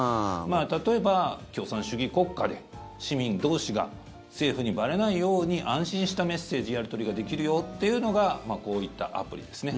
例えば、共産主義国家で市民同士が政府にばれないように安心したメッセージやり取りができるよというのがこういったアプリですね。